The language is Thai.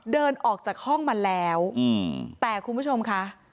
เดินออกจากห้องมาแล้วแต่คุณผู้ชมค่ะ